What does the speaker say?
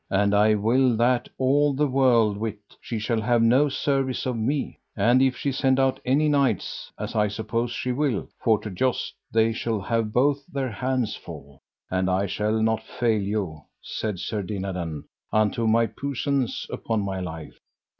And I will that all the world wit she shall have no service of me. And if she send out any knights, as I suppose she will, for to joust, they shall have both their hands full. And I shall not fail you, said Sir Dinadan, unto my puissance, upon my life.